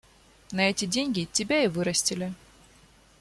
На эти деньги тебя и вырастили.